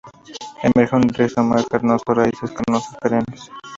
Emerge de un rizoma carnoso, raíces carnosas, perennes.